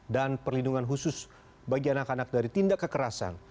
dan perlindungan khusus bagi anak anak dari tindak kekerasan